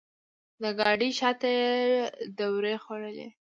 د ګاډۍ شاته یې دورې خوړلې.